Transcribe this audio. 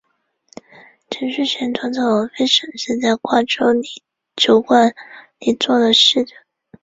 陈叔贤从此王妃沈氏在瓜州的酒馆里做了侍者。